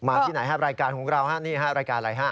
ที่ไหนครับรายการของเราฮะนี่ฮะรายการอะไรฮะ